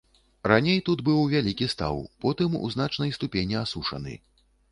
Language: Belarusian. Раней тут быў вялікі стаў, потым у значнай ступені асушаны.